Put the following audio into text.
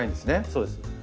そうです。